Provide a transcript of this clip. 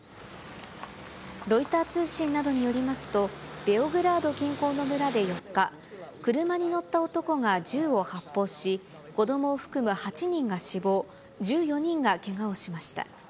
ロイター通信などによりますと、ベオグラード近郊の村で４日、車に乗った男が銃を発砲し、子どもを含む８人が死亡、１４人がけがをしました。